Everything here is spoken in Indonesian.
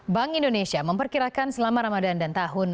bank indonesia memperkirakan selama ramadan dan tahun